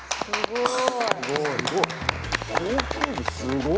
すごい。